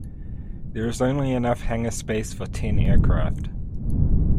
There is only enough hangar space for ten aircraft.